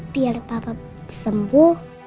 biar papa sembuh